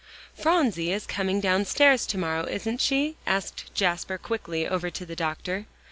"Phronsie is coming downstairs to morrow, isn't she?" asked Jasper quickly, over to the doctor.